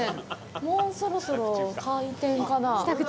もうそろそろ開店かな。